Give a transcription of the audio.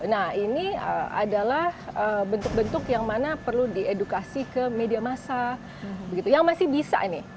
nah ini adalah bentuk bentuk yang mana perlu diedukasi ke media masa yang masih bisa ini